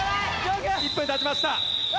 １分経ちました！